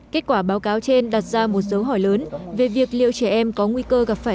kết quả báo cáo trên đặt ra một dấu hỏi lớn về việc liệu trẻ em có nguy cơ gặp phải